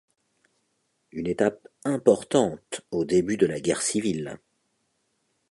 Une étape importante au début de la guerre civile.